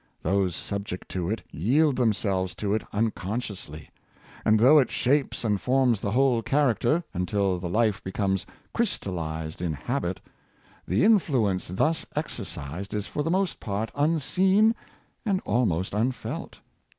Those subject to it yield themselves to it unconsciously; and though it shapes and forms the whole character, until the life becomes crystalized in habit, the influence thus exercised is for the most part unseen and almost unfelt.